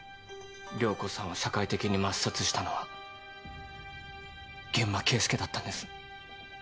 涼子さんを社会的に抹殺したのは諫間慶介だったんです。